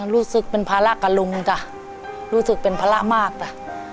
รู้สึกเป็นภาระกับลุงจ้ะรู้สึกเป็นภาระมากจ้ะ